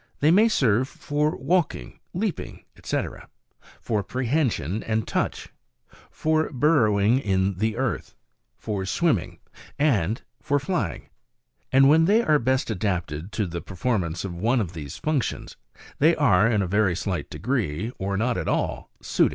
They may serve 1. For walking, leaping, &c.; 2. For prehension and touch; 3. For burrowing in the earth ; 4. For swimming ; and 5. For flying; and when they are best adapted to the performance of one of these functions, they are in a very slight degree, or not at all suited to the others.